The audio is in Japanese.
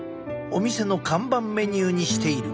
お店の看板メニューにしている。